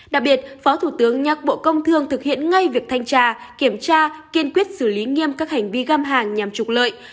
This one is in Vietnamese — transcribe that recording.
đặc biệt phó thủ tướng nhắc bộ công thương thực hiện ngay việc thanh tra kiểm tra kiên quyết xử lý nghiêm các hành vi găm hàng nhằm trục lợi